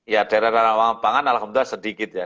ya daerah rawan pangan alhamdulillah sedikit ya